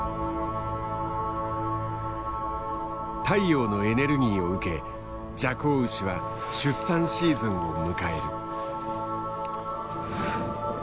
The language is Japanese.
太陽のエネルギーを受けジャコウウシは出産シーズンを迎える。